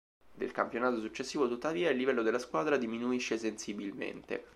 Dal campionato successivo, tuttavia, il livello della squadra diminuisce sensibilmente.